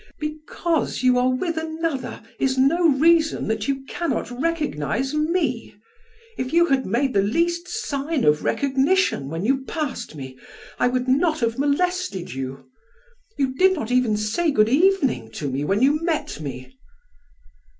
Because you are with another is no reason that you cannot recognize me. If you had made the least sign of recognition when you passed me, I would not have molested you. You did not even say good evening to me when you met me."